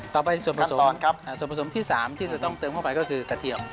ต่อไปส่วนผสมครับส่วนผสมที่๓ที่จะต้องเติมเข้าไปก็คือกระเทียม